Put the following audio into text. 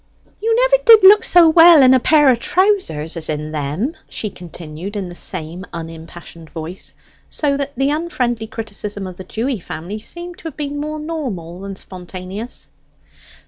"You never did look so well in a pair o' trousers as in them," she continued in the same unimpassioned voice, so that the unfriendly criticism of the Dewy family seemed to have been more normal than spontaneous.